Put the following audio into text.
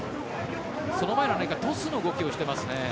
その前のトスの動きをしていますね。